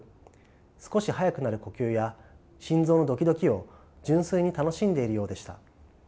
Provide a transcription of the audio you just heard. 少し速くなる呼吸や心臓のドキドキを純粋に楽しんでいるようでした。